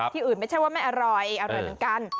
ที่อื่นไม่ใช่ว่าไม่อร่อยอร่อยเหมือนกัน